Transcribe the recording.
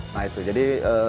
nah itu jadi